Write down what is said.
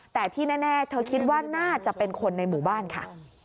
แต่ที่แน่เธอคิดว่าน่าจะเป็นคนในหมู่บ้านค่ะ